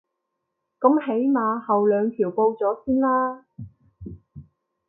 噉起碼後兩條報咗先啦